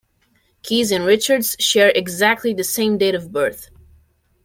Keys and Richards share exactly the same date of birth.